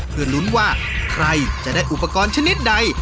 เพื่อลุ้นว่าใครจะได้อุปกรณ์ชนิดใด